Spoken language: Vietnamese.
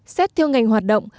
xét theo ngành hoạt động